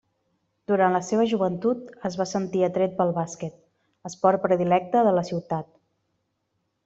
Durant la seva joventut es va sentir atret pel bàsquet, esport predilecte de la ciutat.